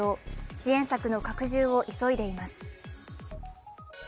支援策の拡充を急いでいます。